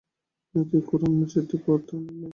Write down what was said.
যদি কোরান মজিদটি আপনি নেন।